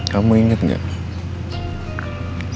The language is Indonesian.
kamu inget gak